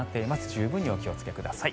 十分にお気をつけください。